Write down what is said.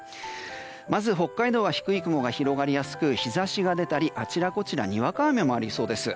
まず北海道は低い雲が広がりやすく日差しが出たり、あちらこちらにわか雨もありそうです。